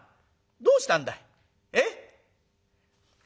どうしたんだい？え？」。